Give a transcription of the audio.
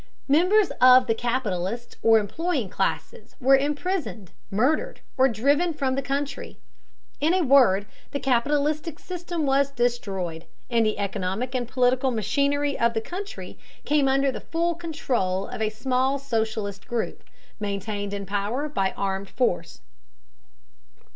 Members of the capitalist or employing classes were imprisoned, murdered, or driven from the country. In a word, the capitalistic system was destroyed, and the economic and political machinery of the country came under the full control of a small socialist group, maintained in power by armed force.